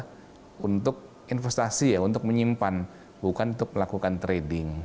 tujuan awal saya berinvestasi di emas adalah untuk investasi untuk menyimpan bukan untuk melakukan trading